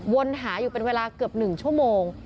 วนหาอยู่เป็นเวลาเกือบหนึ่งชั่วโมง